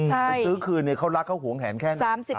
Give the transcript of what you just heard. ซื้อคืนเขารักเขาหวงแขนแค่นี้